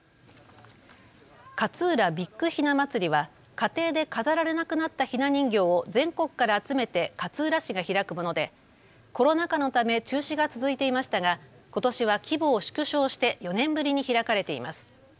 かつうらビッグひな祭りは家庭で飾られなくなったひな人形を全国から集めて勝浦市が開くものでコロナ禍のため中止が続いていましたがことしは規模を縮小して４年ぶりに開かれています。